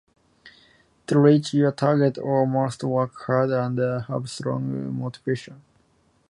To reach your target, one must work hard and have a strong motivation.